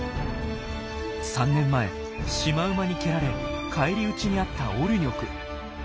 ３年前シマウマに蹴られ返り討ちにあったオルニョク。